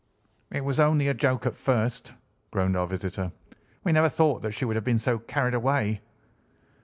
"It was only a joke at first," groaned our visitor. "We never thought that she would have been so carried away."